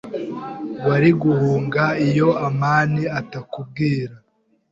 Wari guhunga iyo amani atakubwira.